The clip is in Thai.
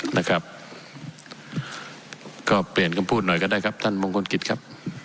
นะครับก็เปลี่ยนคำพูดหน่อยก็ได้ครับท่านมงคลกิจครับ